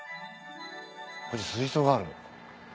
こっち水槽がある。